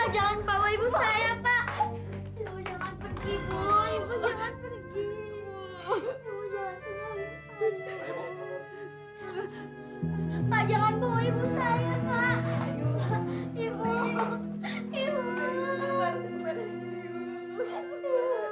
jangan bawa ibu saya pak